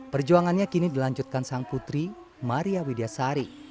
perjuangannya kini dilanjutkan sang putri maria widyasari